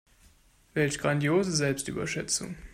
Welch grandiose Selbstüberschätzung.